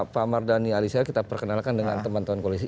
pak mardhani alisa kita perkenalkan dengan teman teman koalisi